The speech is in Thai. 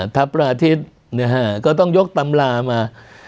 ทับพระอาทิตย์เนี่ยฮะก็ต้องยกตำรามา